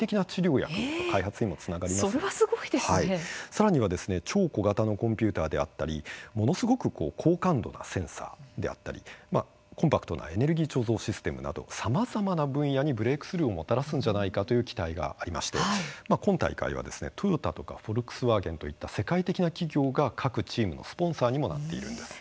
さらには、超小型のコンピューターであったりものすごく高感度なセンサーであったりコンパクトなエネルギー貯蔵システムなどさまざまな分野にブレークスルーをもたらすんじゃないかという期待がありまして今大会は、トヨタとかフォルクスワーゲンといった世界的な企業が各チームのスポンサーにもなっているんです。